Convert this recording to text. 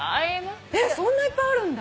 そんないっぱいあるんだ！